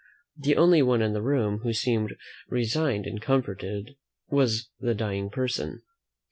The only one in the room who seemed resigned and comforted was the dying person.